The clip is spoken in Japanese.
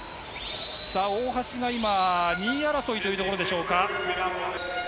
さあ、大橋が今、２位争いというところでしょうか。